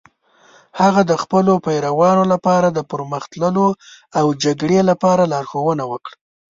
هغه د خپلو پیروانو لپاره د پرمخ تللو او جګړې لپاره لارښوونه وکړه.